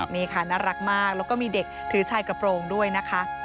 นี่ค่ะน่ารักมากแล้วก็มีเด็กถือชายกระโปรงด้วยนะคะ